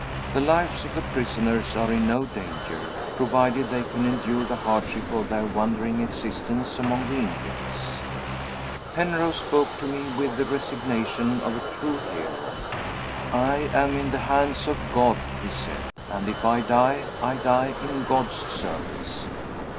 The lives of the prisoners are in no danger, provided they can endure the hardship of their wandering existence among the Indians. Penrose spoke to me with the resignation of a true hero. 'I am in the hands of God,' he said; 'and if I die, I die in God's service.